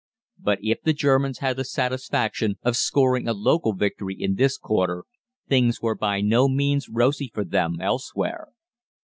But if the Germans had the satisfaction of scoring a local victory in this quarter, things were by no means rosy for them elsewhere.